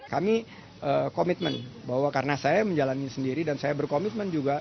kami komitmen bahwa karena saya menjalani sendiri dan saya berkomitmen juga